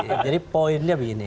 kami sih jadi poinnya begini